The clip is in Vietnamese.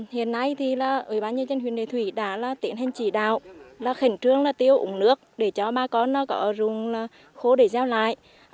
hiện nay ủy ban nhân dân huyện lệ thủy đã tiến hành chỉ đạo khẩn trương tiêu ống nước để cho bà con có ruộng khô để gieo lại